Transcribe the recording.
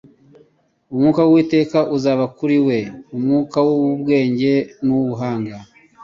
Umwuka w'Uwiteka azaba kuri we, umwuka w'ubwenge n'uw'ubuhanga,